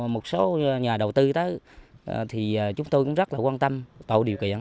một số nhà đầu tư đó thì chúng tôi cũng rất là quan tâm tạo điều kiện